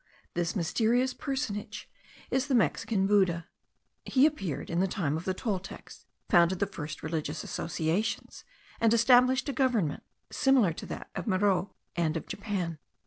This mysterious personage is the Mexican Buddha; he appeared in the time of the Toltecs, founded the first religious associations, and established a government similar to that of Meroe and of Japan.